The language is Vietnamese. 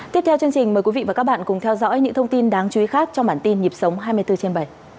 tiếp theo chương trình mời quý vị và các bạn cùng theo dõi những thông tin đáng chú ý khác trong bản tin nhịp sống hai mươi bốn trên bảy